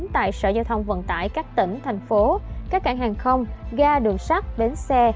tại sở giao thông vận tải các tỉnh thành phố các cảng hàng không ga đường sắt bến xe